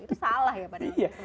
itu salah ya pada kita